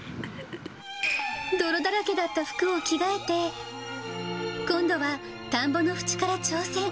泥だらけだった服を着替えて、今度は田んぼの縁から挑戦。